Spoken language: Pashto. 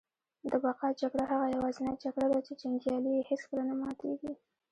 د بقا جګړه هغه یوازینۍ جګړه ده چي جنګیالی یې هیڅکله نه ماتیږي